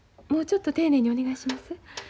もうちょっと丁寧にお願いします。